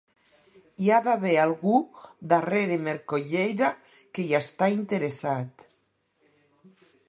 Hi ha d'haver algú darrere Mercolleida que hi està interessat.